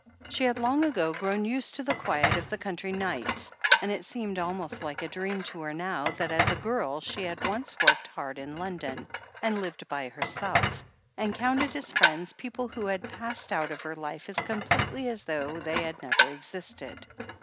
She had long ago grown used to the quiet of the country nights, and it seemed almost like a dream to her now, that, as a girl, she had once worked hard in Lon don, and lived by herself, and counted as friends people who had passed out of her life as completely as though they had never existed.